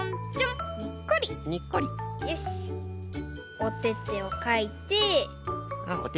おててをかいて。